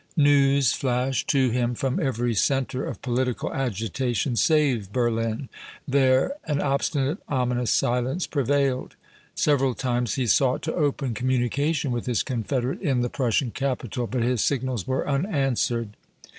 News flashed to him from every centre of political agitation save Berlin; there an obstinate, ominous silence prevailed. Several times he sought to open communication with his confederate in the Prussian capital, but his signals were unanswered.